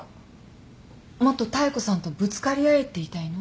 もっと妙子さんとぶつかり合えって言いたいの？